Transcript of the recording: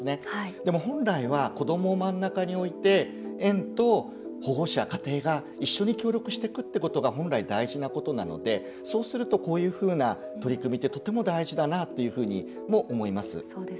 でも、本来は子どもを真ん中に置いて園と保護者、家庭が一緒に協力していくということが本来、大事なことなのでそうするとこういう取り組みってとても大事だなとも思います。